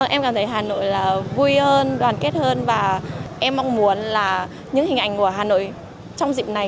em cảm thấy hà nội vui hơn đoàn kết hơn và em mong muốn là những hình ảnh của hà nội trong dịp này